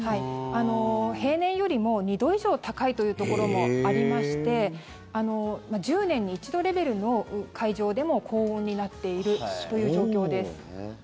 平年よりも２度以上高いというところもありまして１０年に一度レベルの海上でも高温になっているという状況です。